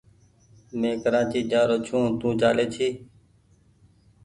مينٚ ڪراچي جآرو ڇوٚنٚ تو چاليٚ جي